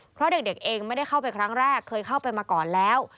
เพราะเด็กเองไม่ได้เข้าไปครั้งแรกเคยเข้าไปมาก่อนแล้ว